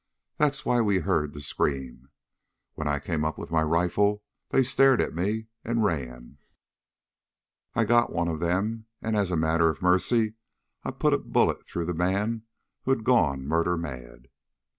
That's why we heard the scream. When I came up with my rifle they stared at me, and ran. "I got one then, and as a matter of mercy I put a bullet through the man who'd gone murder mad.